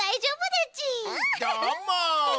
どーも！